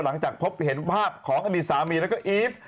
หลังจากพบเห็นภาพของอดีตสามีแล้วก็อีฟ